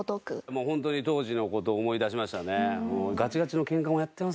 もうホントに当時の事を思い出しましたね。